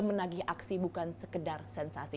menagih aksi bukan sekedar sensasi